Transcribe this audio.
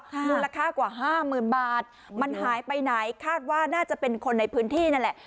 มูลค่ากว่าห้าหมื่นบาทมันหายไปไหนคาดว่าน่าจะเป็นคนในพื้นที่นั่นแหละ